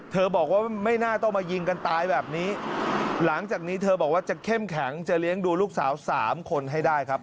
บอกว่าไม่น่าต้องมายิงกันตายแบบนี้หลังจากนี้เธอบอกว่าจะเข้มแข็งจะเลี้ยงดูลูกสาวสามคนให้ได้ครับ